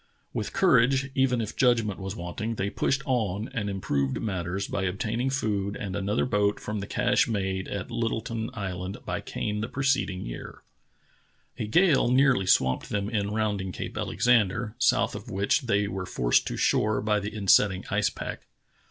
With courage, even if judgment was want ing, the}' pushed on and improved matters by obtaining food and another boat from the cache made at Little ton Island by Kane the preceding year. A gale nearly swamped them in rounding Cape Alexander, south of which they were forced to shore by the insetting ice pack.